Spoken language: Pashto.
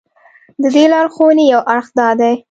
د دې لارښوونې یو اړخ دا دی.